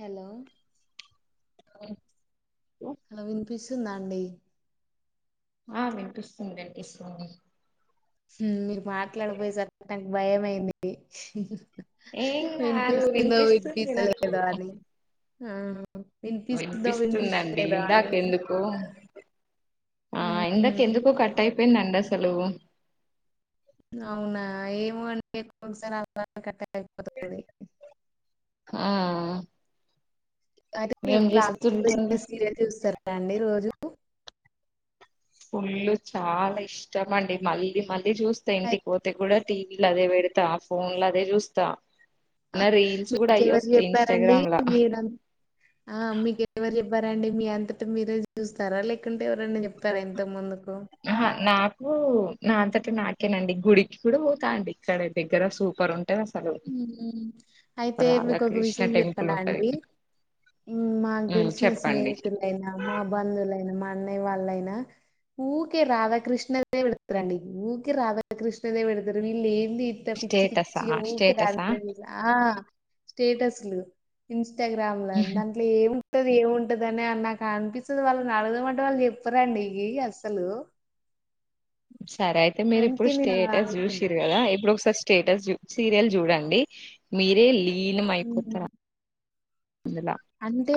Hello ఓ ఆండి ఆ వినిపిస్తుంది వినిపిస్తుంది హుమ్ మీరు మాట్లాడకపోయే సరి కి నాకు భయమయింది ఏం కాదు వినిపిస్తుందా వినిపిస్తుంది నాకు వినిపిస్తలేదా అని ఆ వినిపిస్తుందా వినిపిస్తుందండి వినిపిస్తులేదా ఇందాక అని ఎందుకు ఆ ఇందాక ఉమ్, ఎందుకు కట్ అయిపోయింది అవునా ఏమో అండి ఒకోసారి అలాగే కట్ అయిపోతది ఆ అదే ఏం చేస్తుంటండి మీరు సీరియల్ చూస్తారా అండి రోజు పుల్లు చాలా ఇష్టమండి మళ్ళీ మళ్ళీ అదే చూస్ అయితే మీకెవరు చెప్పారండి లా మీరు ఆ మీకెవరు చెప్ప ఎవ్వరండి మీ అంతట మీరే చూస్తారా లేకుంటే ఎవ్వరైనా చెప్పారా ఇంతకు ముందు ఆహ నాక్ ఓ నా అంతట నాకేనండి గుడికి కూడా పోతా అండి ఇక్కడ దగ్గర సూపర్ ఉంట ఉమ్ అయితే మీకు ఒక రాధాకృష్ణ విషయం టెంపుల్ చెప్పనా అండి ఉంటది మాకు హ్మ్ తెలిసిన చెప్పండి స్నేహితులైనా మా బంధువులైనా మా అన్నయ్య వాళ్ళైనా ఊకే రాధాకృష్ణ దేవుడు గుడి అండి ఊకే రాధకృష్ణ దేవుడు గుడి వీళ్ళు ఏంది అంతా పిచ్చి స్టేటసా పిచ్చి గా ఉకే డాన్స్ స్టేటసా లు చేసి నా ఆ స్టేటస్ లు ఇన్ టగ్రాంమ్ లో దాంట్లో ఏము ఉంటది ఏముంటదని అ నాకు అనిపిస్తుంది వాళ్ళు ని అడగదామంటే వాళ్ళు చెప్పరండి అసలు సరే అయితే మీరు ఇప్పుడు నేను అలా స్టేటస్ అడుగుతున్నా. చూసిరు కదా ఇప్పుడు స్టేటస్ సీరియల్ చూడండి మీరే లీనం హ్మ్. అయిపోతరా అంటే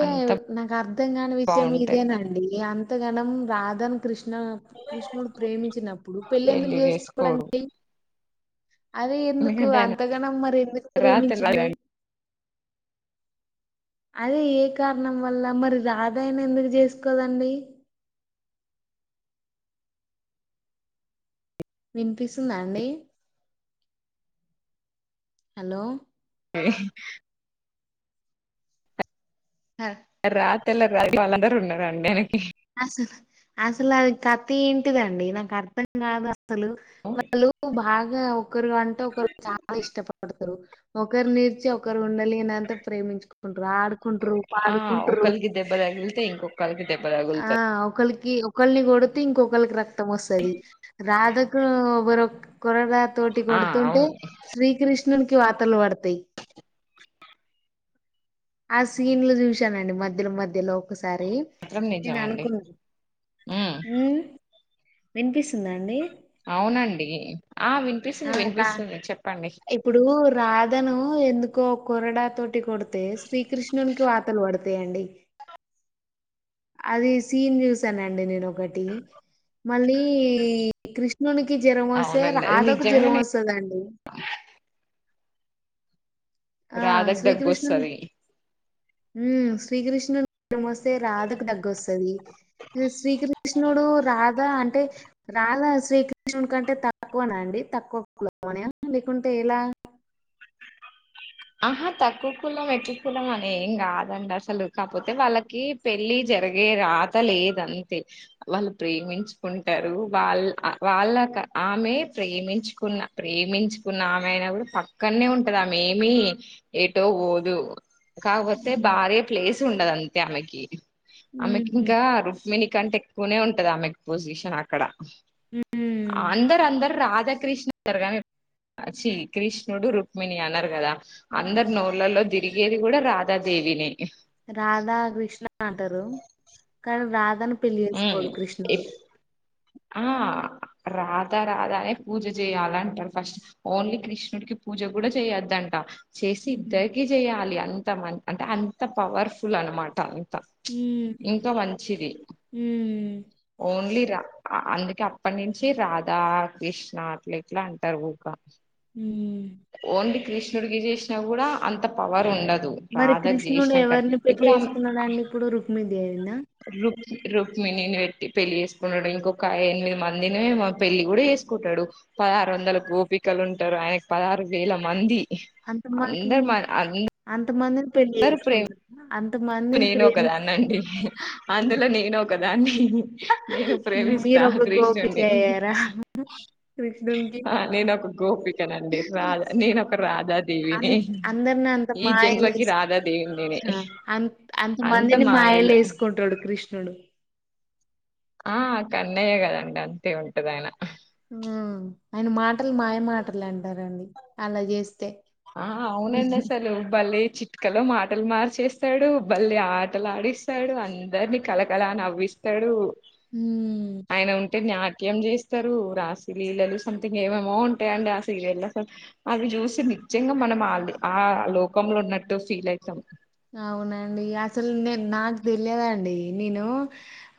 నాకు అర్థం కాని విషయం బాగుంటది ఇదేనండి అంతగనం రాదను కృష్ణ కృష్ణుడు ప్రేమించినప్పుడు పెళ్ళి ఎందుకు పెళ్లి చేసుకోడు చేసుకోడండి అదే ఎందుకు ఎందుకంటే ఆయన అంతగాన మరి ఎందుకు రాతెల్ల ప్రేమించిండు అదే ఏ కారణం వల్ల మరి రాధాయన ఎందుకు చేసుకోదండి వినిపిస్తుందండి హలో ఏ అ రాత్రిళ్ళ రాత్ర వాళ్ళందరుూ ఉన్నారండి ఆయనకి అసలు అసలు అది కథెంటిదండి నాకు అర్థం కాదస్ అసలు వాళ్ళు బాగా ఒకరు అంటే ఒకరు చాలా ఇష్టపడతరు ఒకరు నీర్చి ఒకరు ఉండలేనంత ప్రేమించుకుం ఆడ్కుంట్రు ఆ పాడుకుంట్రు ఒకలికి దెబ్బ తగిలితే ఇంకొకలికి దెబ్బ ఆ తగులుతది ఒకళ్ళకి ఒకల్ని కొడుతే ఇంకొకరికి రక్ త్తమోస్తది రాధకు బర కూరగా తోటి ఆ కొడుతుంటే అవును శ్రీకృష్ణునికి వార్తలు పడతయి ఆ సీన్లు చూశానండి మధ్యలో మధ్యలో ఒకసారి మాత్రం నేను నిజమే అండి అనుకున్న హ్మ్ ఉమ్ వినిపిస్తుందా అండి అవునండి ఆ ఆ వినిపిస్తుంది రా వినిపిస్తుంది చెప్పం ఇప్పుడు రాధను ఎందుక్ కో కొరడా తోటి కొడితే శ్రీకృష్ణునికి వాతలు పడతాయండి అది సీన్ న్యూస్ నండి నేనోకటి మళ్ళీ కృష్ణునికి జ్వరం వస్తే అవునండి అది రాధకు జ్వరం నిజంగానే వస్తదండి ఆ రాధకు శ్రీకృష్ణనిన్ దగ్గొస్తది ఉమ్ శ్రీకృష్ణునీకోస్తే రాధకు దగ్గస్తది శ్రీకృష్ణుడు రాధ అం టే రాధా శ్రీకృష్ణుడి కంటే తక్కువన అండి తక్కువ లేకుంటే ఎలా ఆహా తక్కువ కులం ఎక్కువ కులం ఏం కాదండి అసలు కాకపోతే వాళ్ళకి పెళ్ళి జరిగే రాత లేద అంతే వాళ్ళు ప్రేమించుకుంటారు వాళ్ళ వాళ్ళ ఆమె ప్రేమించుకున్న ప్రేమించుకున్న ఆమె అయిన కూడా పక్కనే ఉంటది ఆమె మీ ఎటుపోదు కాపోతే హ్మ్. భార్య ప్లేస్ తుండదండి ఆమెకి ఆమెకి హుహు. ఇంకా రుక్మిణి కంటే ఎక్కువనే ఉంటది ఆమెక్ పొజిషన్ అక్కడ హ్మ్. అందరు అందరు రాధాకృష్ణ గారుగని అచ్చీ కృష్ణుడు రుక్మిణీ అనర్ కదా అందరు హుహు. నోళ్లలో తిరిగేది కూడా రాధాదేవినే రాధా కృష్ణ అంటరు కానీ రాధను పెళ్లి ఉమ్ చేసుకోడు ఇ కృష్ణుడు. ఆ రాదా రాదానే పూజ చేయాలంట ఫస్ట్ ఓన్లీ కృష్ణుడికి పూజ కూడా చేయొద్దంట చేసి హ్మ్. ఇద్దరికి చేయాలి అంత మ అంటే అంత పవర్ఫుల్ అనమట త హ్మ్. ఇంకా మంచిది హ్మ్. ఓన్లీ రా అందుకే అప్పటి నుంచి రాధా కృష్ణ అట్ల ఇట్లా అంటారు ఊక హ్మ్. ఓన్లీ కృష్ణుడికి చేసినా కూడా అంత పవర్ ఉండద్ దు మరి రాధక్ కృష్ణుడు జేసినంకనే ఎవరిని పెళ్లి ఇప్పుడు ఆమే చేసుకున్నాడండి ఇప్పుడు? రుక్మిదేవినా? రుక్ రుక్మిణీని పెళ్లి చేసుకుంటడు ఇంకొక ఎనిమిది మందిని పెళ్లి కూడా వేసుకుంటడు పదహారు వందల గోపి కలు ఉంటరు ఆయనకి పదహారు వేల మంది అంత అందరు మాత్రం మ అంధ అంతమందిని పెళ్లి ధర ప్రేమ చేసుకుంటున్నా అంతమందిని నేను ప్రేమిస్ ఒకదాన్న అండి అందులో నేను ఒకదాన్ని నేను ప్రేమిస్తా మీరు అ ఒక గోపిక కృష్ణుణ్ణి అయ్యారా కృష్ణునికి ఆ నేనొ ఒక గోపికనండి రాధ నేన అదా అన్ దేవిని అందరిని అంత ఈ జన్మ మాయలు కి వేసి రాధా దేవిని నేనే ఆ, అంత అంత అంతమందిని మాయలు వేసుకుంటాడు కృష్ణుడు ఆ కన్నయే కదండి అంతే ఉంటదాయన ఆయన మాటలు మాయ మాటలు అంటారండి అలా చేస్తే ఆ అవునండి అసలు బల్లే చిక్ టికలో మాటలు మార్చేస్తాడు భల్లే ఆటలు ఆడిస్తాడు అందరిని కళకళా నవ్విస్తాడు ఉమ్. ఆయన ఉంటే జ్ఞా కి ఏం చేస్తారు రాసలీలలు సంథింగ్ ఏమేమో ఉంటాయిండి ఆ సీరియల్లో అసలు అవి చూసింది నిజంగా మనం ఆ ఆ లోకంలో ఉన్నట్టు ఫీల్ అయితం అవునండి అసలు నేన్ నాకు తెలియదండి నేను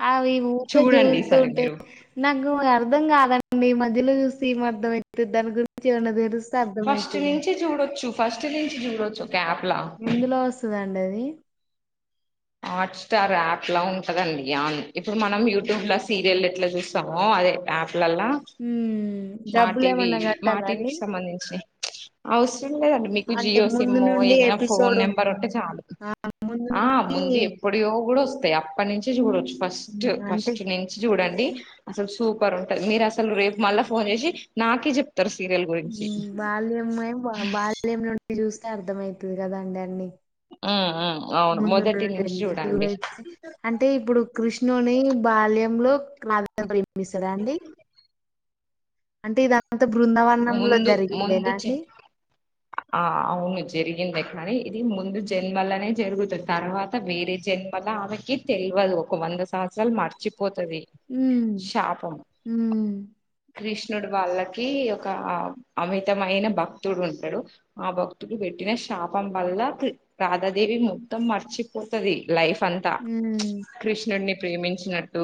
ఆ ఈ ఊకే చూడండి ఈసారి చూస్తంటే మీరు నాకు ఇంగ అర్థం అర్థం కాదండి మధ్యలో చూసి ఏం అర్థం అయితుది దాని గురించి ఏమన్నా తెలిస్తే ఫస్ట్ అర్థమైతుంది నుంచి చూడొచ్చు ఫస్ట్ నుంచి చూడొచ్చు ఒక యాప్ లా ఎందులో వస్తదండి అది హాట్ స్టార్ యాప్ లా ఉంటదండి యాన్ ఇప్పుడు మనం యూట్యూబ్ లో సీరియల్ ఎట్లా చూస్తామో అదే యాప్లల్లా హ్మ్. మా టీవీ డబ్బులేమన్నా మా కట్టాలా అండి? టీవీకి సంబంధించి అవసరం లేదండి మీకు అంటే జియో ముందు సిమ్ము నుండి ఏదైనా ఫోన్ ఎపిసోడ్ నెంబర్ ఉంటే చాలు ఆ! ముందు ఆ ముందు నుండి ఎప్పుడియో కూడా వస్తాయి అప్పటి నుంచే చూడవచ్చు ఫస్ట్ హ్మ్. అంటే ఫస్ట్ నుంచి చూడండి అసలు సూ సూపర్ ఉంటది మీరు అసలు రేపు మళ్ళా ఫోన్ చేసి నాకే చెప్ బాల్యం ఏం బాల్యం నుండి చూస్తే అర్ధమయితుది కదండి అన్నీ హ్మ్ మ్మ్ అంటే ఇప్పుడు కృష్ణుని బాల్యంలో రాధని ప్రేమిస్తాడా అండి అంటే ఇ అంత బృందావనంలో ముందు ముందు జరిగిందేనా జ అండి ఆ అవును జరిగింది కానీ ఇది ముందు జన్మలనే జరుగుతుంది తర్వాత వేరే జన్మ కథ ఆమెకి తెల్వదు ఒక వంద సంవత్సరాలు మరచి పోతది హ్మ్. శాపము హ్మ్. కృష్ణుడు వాళ్ళకి ఒక అమితమైన భక్తుడు ఉంటడు ఆ భక్తుడు పెట్టిన శాపం వల్ల రాధాదేవి మొత్తం మర్చిపోతది. లైఫ్ అంతా హ్మ్. కృష్ణుడిని ప్రేమించినట్టు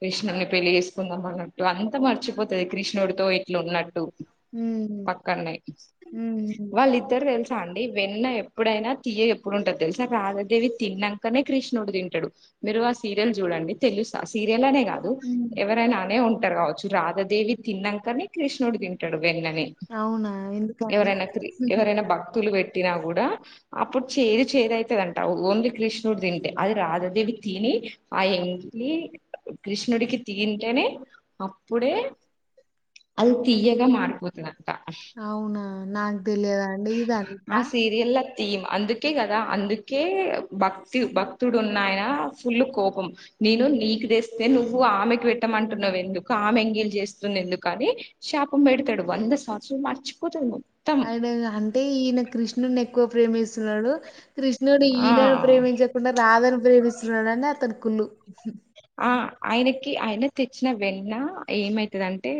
కృష్ణుని పెళ్లి చేసుకుందాం అన్నట్టు అంత మర్చిపో పోతది కృష్ణుడితో ఇట్లు ఉన్నట్టు హ్మ్. పక్కననే హ్మ్. వాళ్ళిద్దరు తెలిసి అండి వెన్న ఎప్పుడైనా తియ ఎప్పుడుంటంది తెలుసా రాధదేవి తిన్నాకనే కృష్ణుడు తింటడు. మీరు ఆ సీరియల్ చూడండి తెలుసు ఆ సీరియల్ అనేగా కాదు హ్మ్. ఎవరైనా అనే ఉంటారు కావచ్చు రాధాదేవి తిన్నంకనే కృష్ణుడు తింటడు. వెన్నని అవునా? ఎందుకండి? ఎవరైనా క్రి ఎవరైనా భక్తులు పెట్ పేట్టినా కూడా అప్పుడు చేదు చేదు అయితదంట ఓన్లీ కృష్ణుడు తింటే అది రాధాదేవి తిని. ఆ ఎంగిలి కృష్ణుడికి తియింటేనే అప్పుడే అది తియ్యగా మారిపోతుంది. అవునా నాకు తెలియదా అండి ఆ ఇదంతా సీరియల్ల థీమ్ అందుకే కదా అందుకే భక్తి భక్తుడు ఉన్నాయన ఫుల్ కోపం నేను నీకు తెస్తే నువ్వు ఆమెకి పెట్టమంటున్నావు ఎందుకు ఆమె ఎంగీలి చేస్ స్తుంది ఎందుకని శాపం పెడతాడు. వంద సంవత్సరాలు మర్చిపోతాము ఆయన అంటే ఈన క్రిష్ణుని ఎక్కువ ప్రేమిస్తున్నాడు. క్రిష్ణుడు ఆ ఈయనను ప్రేమించకుండ రాధను ప్రేమిస్తున్నాడని అతనికి కుళ్ళు. ఆ ఆయనకి ఆయన తెచ్చిన వెన్న ఏమైతదంటె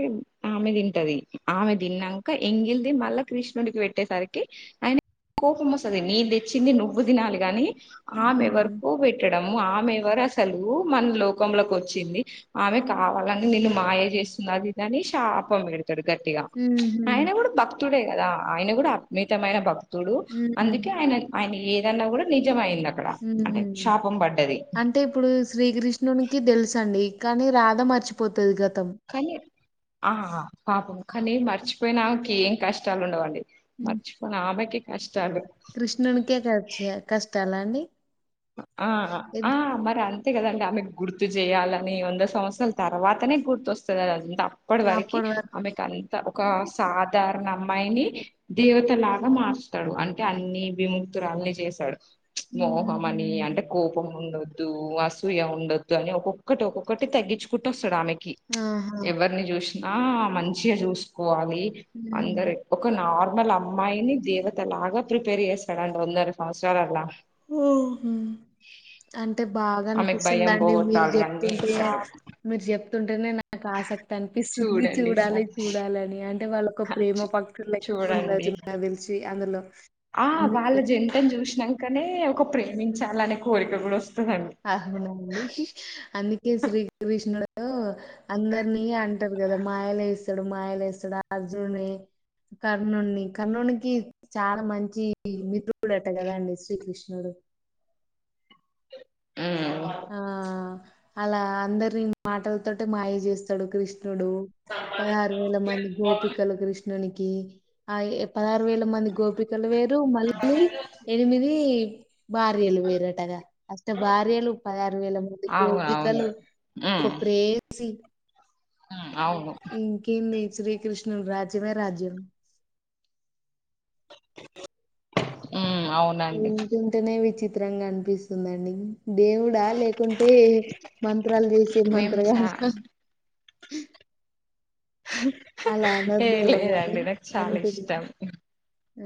ఆమె తింటది. ఆమె తిన్నంక ఎంగిల్ది మళ్ళా కృష్ణుడికి పెట్టేసరికి ఆయన కోపమోస్తది నేన్ తెచ్చింది నువ్వు తినాలి గాని హ్మ్. ఆమెవరికో పెట్టడము ఆమె ఎవరు అసలు మన లోకంలోకి వచ్చింది ఆమె కావాలని నిను మాయ చేస్తుంది అది ఇదని శాపం పెడు తాడు గట్టిగ హుహు. ఆయన కూడ భక్తుడే కదా ఆయన కూడ అద్మితమైన భక్ తుడు హ్మ్. అందుకే ఆయన ఆయన ఏదన్న కూడా నిజమైంది. మ్ అంటే ఇప్పుడు శ్రీక్రిష్ నునికి తెలుసండి కానీ రాధ మర్చిపోతది గత్ కానీ ఆ పాపం కానీ మర్చిపోయినాక ఏం కష్టాలు ఉండవండి. హ్మ్. మర్చిపోని ఆమెకి కష్టాలు కృష్ణునికే కచ్చ కష్టాల అండి? ఆ ఎన్ ఆ మరన్ అంతే కదండి ఆమెకు గుర్తు చేయాలని వంద సంవత్సరాల తర్వాతనే గుర్తొస్తది అదన్నీ అప్పడవరీకి అప్పడి వరకు ఆమె కన్ ఒక సాధారణ అమ్మాయిని దేవతలాగ మార్స్తాడు అంటే అన్ని విము తురాలని చేశాడు మోహమని హుహు. అంటే కోపం ఉండొద్దు, అసూయ ఉండొద్దు. అని ఒక్కొక్కటి ఒక్కొక్కటి తగ్గించుకుంటూ వస్తాడు ఆమె కి ఆహా! ఎవరిని చూసినా మంచిగ చూసుకోవా పోయి హ్మ్. అందరు ఒక నార్ వాల్ అమ్మాయిని దేవత లాగా ప్రిపేర్ చేస్తాడంట వందర సంవత్సరాలల్ల ఓహ అంటే బాగ ఆమెకు భయం అనిపిస్తుందండి. మీరు పోగొట్టాలి అన్ని చెప్తుంటే చేశాడు మీర్ చెప్ తింటేనే నాకు ఆసక్తి అనిపిస్తుంది చూడండి చూడాలి సార్ చూడాలి అని అన్ అంటే వాళ్ళొక ప్రేమ పక్షులు లెక్కా చూడండి ఉండొచ్చు నాకు తెలిసి అందులో ఆ అందుకే. వాళ్ళ జంటని చూసినంకనే ఒక ప్రేమించాలనే కోరిక కూడా ఓస్ అవునండి అన్ని ఈ శ్రీకృష్ణుడు అందరినీ అంటారు కదా మాయలేస్తడు మాయలేస్తడు అ ర్జున్ని కర్ణున్ని కర్ణునికి చాలా మంచి మితు తుడట కదండి శ్రీకృష్ణుడు. ఉమ్ ఆ అలా అందరినీ మాటలతో మాయ చేస్తాడు క్రిష్ నుడు పదహారు వేల మంది గోపికలు కృష్ణునికి. ఆ ఎ పదహారు వేల మంది గోపికలు వేరు మళ్ళీ ఎనిమిది భార్యలు వేరటగా, అష్ట భార్యలు పదహారు వేల మంది అవును అవును గోపికలు ఒక ఉమ్ ప్రేయసి ఉమ్ అవును ఇంకేంది శ్రీకృష్ణుని రాజ్యమే రాజ్యం. మ్ వింటుంటేనే విచిత్రంగా అనిపిస్తుందండి ఇది దేవుడా లేకుంటే మంత్రాలు చేసే మేము మంత్రగాడ చా అలా ఏ అనద్దేమో కానీ లేదండి నాకు చాలా అంటున్న ఇష్టం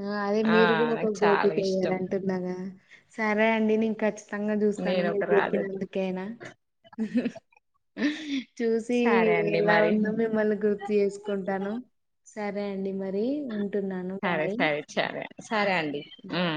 ఆ అదే ఆ మీరు కూడ ఒక నాకు చాలా గోపిక అయ్యారు ఇష్టం అంటున్నాగా సరే అండి నేను ఖచ్చితంగా జూస్తాను నేను మీరు ఒక రాధ చెప్పినందుకైనా. చూసి సరే అండి ఎలా మరి ఉంటుందో మిమ్మల్ని గుర్తు చేసుకుంటానం. సరే అండి మరి ఉంటున్నాను సరే బాయ్ సరే సరే ఆ. సరే అండి ఉమ్